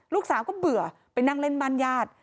ลูกสาวก็เบื่อไปนั่งเล่นบ้านญาติ